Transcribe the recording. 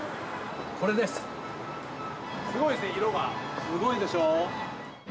すごいですね色がすごいでしょ？